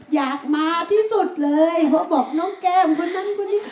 อยากมาที่สุดเลยเพราะบอกน้องแก้มคนนั้นคนนี้